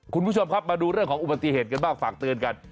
คุณผู้ชมครับมาดูเรื่องของอุบัติเหตุกันบ้างฝากเตือนกัน